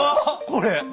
これ。